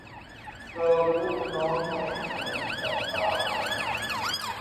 เกิร์ลกรุ๊ปน้องใหม่น่าจับตามอง